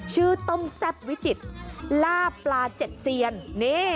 ชื่อต้มแซ่บวิจิตรล่าปลาเจ็ดเซียน